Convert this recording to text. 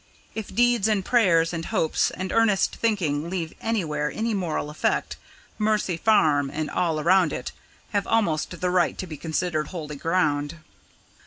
If deeds and prayers and hopes and earnest thinking leave anywhere any moral effect, Mercy Farm and all around it have almost the right to be considered holy ground."